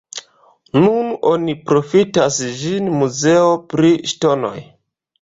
Nun oni profitas ĝin muzeo pri ŝtonoj.